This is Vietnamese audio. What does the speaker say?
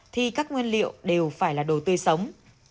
thì các nguyên liệu đều phải là đồ tươi sống